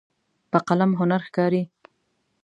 په قلم هنر ښکاري.